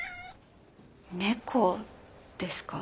猫ですか？